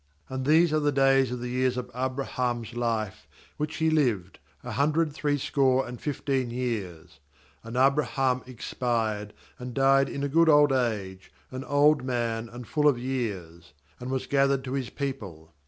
7And these are the days of the years of Abraham's life which he lived, a hundred threescore and fifteen years. 8And Abraham expired, and died in a good old age, an old man, and full of years; and was gathered to his people.